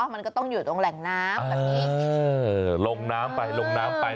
มันก็ต้องอยู่ตรงแหล่งน้ำแบบนี้